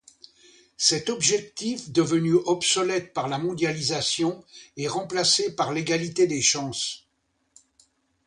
Cet objectif devenu obsolète par la mondialisation est remplacé par l'égalité des chances.